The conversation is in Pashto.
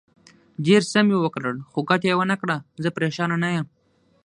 ډېر څه مې وکړل، خو ګټه یې ونه کړه، زه پرېشانه نه یم.